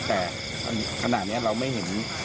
แต่ขณะนี้เราไม่เห็น